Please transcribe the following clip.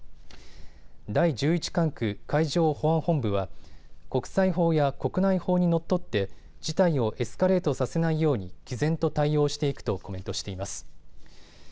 第１１管区海上保安本部は国際法や国内法にのっとって事態をエスカレートさせないようにきぜんと対応していくとコメントしています。